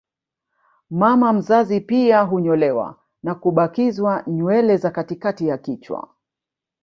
Mama mzazi pia hunyolewa na kubakizwa nywele za katikati ya kichwa